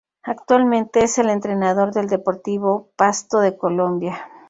Actualmente es el entrenador del Deportivo Pasto de Colombia.